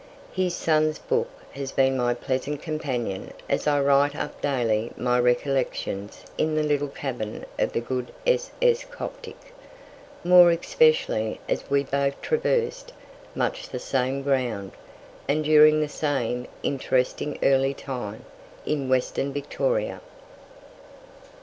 His son's book has been my pleasant companion as I write up daily my "Recollections" in the little cabin of the good s.s. "Coptic", more especially as we both traversed much the same ground, and during the same interesting early time, in Western Victoria.